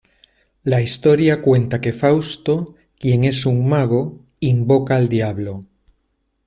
La historia cuenta que Fausto, quien es un mago, invoca al Diablo.